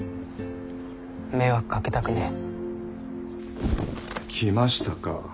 迷惑かけたくねえ。来ましたか。